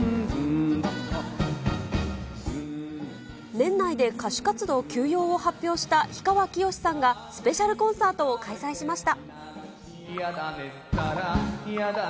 年内で歌手活動休養を発表した氷川きよしさんが、スペシャルコンサートを開催しました。